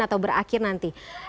atau berakhir nanti